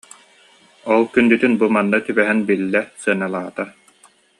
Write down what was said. Ол күндүтүн бу манна түбэһэн биллэ, сыаналаа-та